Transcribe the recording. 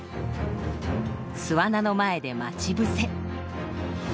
巣穴の前で待ち伏せ。